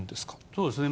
そうですね。